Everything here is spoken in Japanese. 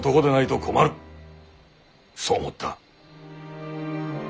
そう思った。